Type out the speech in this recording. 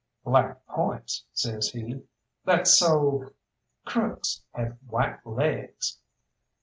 "Black points," says he. "That's so Crook's had white laigs."